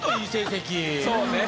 そうね